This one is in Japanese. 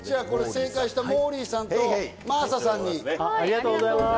正解したモーリーさんと真麻さんに。